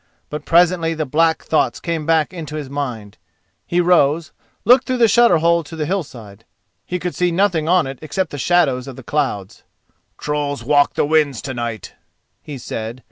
But presently the black thoughts came back into his mind. He rose, looked through the shutter hole to the hillside. He could see nothing on it except the shadows of the clouds. "Trolls walk the winds to night," he said.